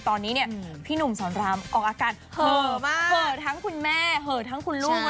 ตอนนี้เนี่ยพี่หนุ่มสอนรามออกอาการเห่อมากเหอะทั้งคุณแม่เหอะทั้งคุณลูก